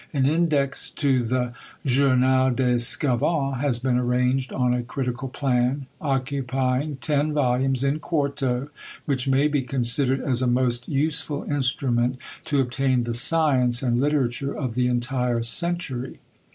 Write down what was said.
An index to the Journal des Sçavans has been arranged on a critical plan, occupying ten volumes in quarto, which may be considered as a most useful instrument to obtain the science and literature of the entire century.